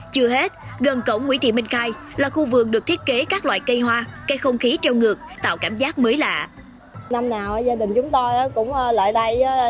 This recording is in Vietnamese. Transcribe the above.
chưa hết gần cổng nguyễn thị minh khai là khu vườn được thiết kế các loại cây hoa cây không khí treo ngược tạo cảm giác mới lạ